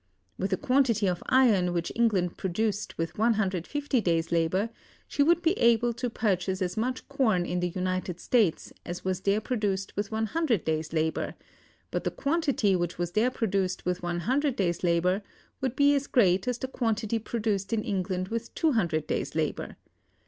With a quantity of iron which England produced with 150 days' labor, she would be able to purchase as much corn in the United States as was there produced with 100 days' labor; but the quantity which was there produced with 100 days' labor would be as great as the quantity produced in England with 200 days' labor.